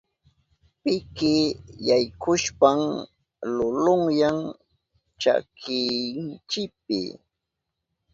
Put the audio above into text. Piki yaykushpan lulunyan chakinchipi.